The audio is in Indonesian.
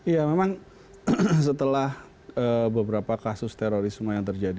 ya memang setelah beberapa kasus terorisme yang terjadi